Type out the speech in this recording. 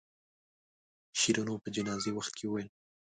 شیرینو په جنازې وخت کې وویل.